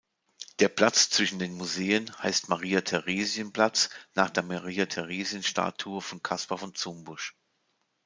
Der Platz zwischen den Museen heißt "Maria-Theresien-Platz" nach der Maria-Theresien-Statue von Kaspar von Zumbusch.